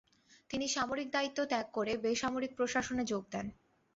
তিনি সামরিক দায়িত্ব ত্যাগ করে বেসামরিক প্রশাসনে যোগ দেন।